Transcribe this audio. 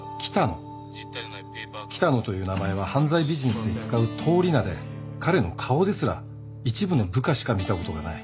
喜多野という名前は犯罪ビジネスで使う通り名で彼の顔ですら一部の部下しか見たことがない。